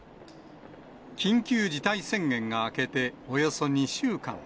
緊急事態宣言が明けて、およそ２週間。